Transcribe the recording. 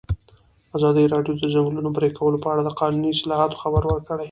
ازادي راډیو د د ځنګلونو پرېکول په اړه د قانوني اصلاحاتو خبر ورکړی.